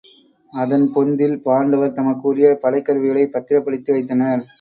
அதன் பொந்தில் பாண்டவர் தமக்கு உரிய படைக் கருவிகளைப் பத்திரப்படுத்தி வைத்தனர்.